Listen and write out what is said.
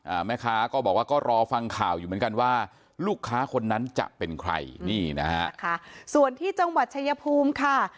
อ่าแม่ค้าก็บอกว่าก็รอฟังข่าวอยู่เหมือนกันว่าลูกค้าคนนั้นจะเป็นใครนี่นะฮะค่ะส่วนที่จังหวัดชายภูมิค่ะ